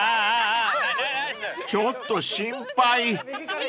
［ちょっと心配］